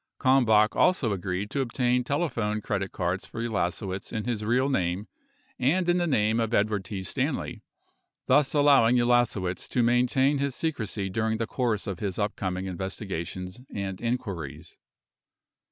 Kalmbach also agreed to obtain telephone credit cards for Ulasewicz in his real name and in the name of Edward T. Stanley, 10 thus allowing Ulasewicz to maintain his secrecy during the course of his upcoming investiga tions and inquiries.